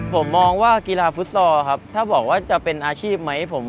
ผมมองว่ากีฬาฟุตซอลครับถ้าบอกว่าจะเป็นอาชีพไหม